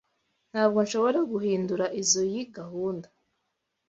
Ntabwo nshobora guhindura izoi gahunda.